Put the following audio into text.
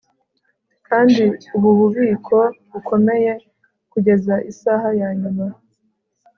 Kandi ubu bubiko bukomeye kugeza isaha yanyuma